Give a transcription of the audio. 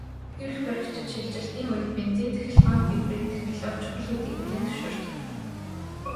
Эрх баригчид шилжилтийн үед бензин-цахилгаан гибрид технологи чухал гэдгийг хүлээн зөвшөөрдөг.